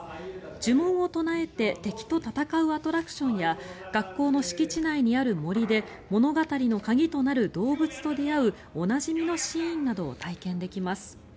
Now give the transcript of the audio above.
呪文を唱えて敵と戦うアトラクションや学校の敷地内にある森で物語の鍵となる動物と出会うおなじみのシーンなどを体験できます。